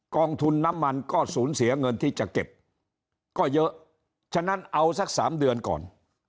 องทุนน้ำมันก็สูญเสียเงินที่จะเก็บก็เยอะฉะนั้นเอาสักสามเดือนก่อน